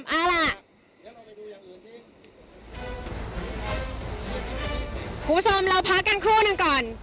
คุณผู้ชมเราพักกันคู่นั่งก่อน